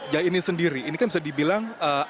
ya ini sendiri ini kan bisa dibilang